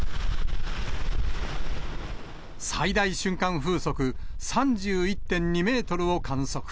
最大瞬間風速３１．２メートルを観測。